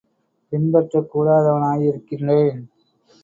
பின்பற்றக் கூடாதவனா யிருக்கின்றேன்